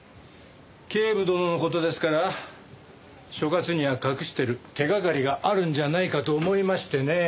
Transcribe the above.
警部殿の事ですから所轄には隠してる手掛かりがあるんじゃないかと思いましてね。